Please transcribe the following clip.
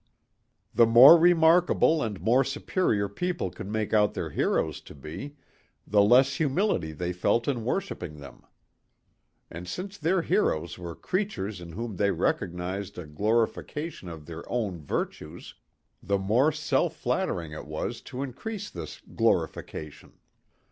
The more remarkable and more superior people could make out their heroes to be, the less humility they felt in worshipping them. And since their heroes were creatures in whom they recognized a glorification of their own virtues, the more self flattering it was to increase this glorification.